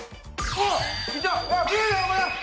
あっ。